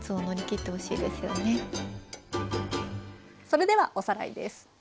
それではおさらいです。